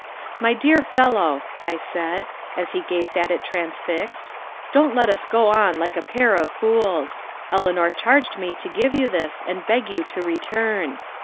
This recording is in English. "My dear fellow," I said, as he gazed at it transfixed, "don't let us go on like a pair of fools. Eleanor charged me to give you this, and beg you to return."